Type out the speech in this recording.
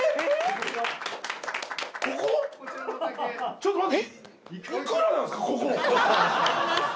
ちょっと待って。